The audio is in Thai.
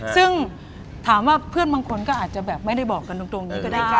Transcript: ซึ่งถามว่าเพื่อนบางคนก็อาจจะแบบไม่ได้บอกกันตรงนี้ก็ได้